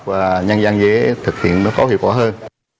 và nhân dân dễ thực hiện nó có hiệu quả hơn